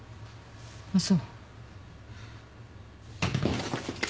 あっそう。